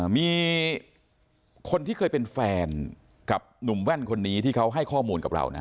มีคนที่เคยเป็นแฟนกับหนุ่มแว่นคนนี้ที่เขาให้ข้อมูลกับเรานะ